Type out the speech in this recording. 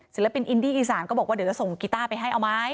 ศิลปินอินดี้อีสานก็บอกว่าเดี๋ยวจะส่งกีต้าไปให้เอาไหม